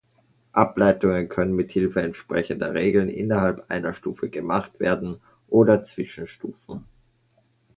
Ableitungen können mithilfe entsprechender Regeln innerhalb einer Stufe gemacht werden oder zwischen Stufen.